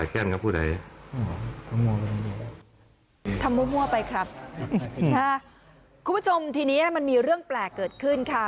คุณผู้ชมทีนี้มันมีเรื่องแปลกเกิดขึ้นค่ะ